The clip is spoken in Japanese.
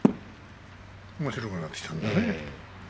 おもしろくなってきたね。